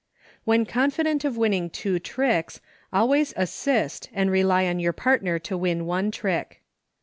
When confident of winning two tricks al ways assist and rely on your partner to win one trick.